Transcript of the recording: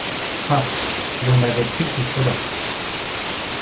Ah! l’on m’avait pris tout cela !